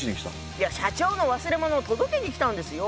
いや社長の忘れ物を届けにきたんですよ。